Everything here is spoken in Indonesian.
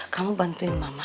kamu bantuin mama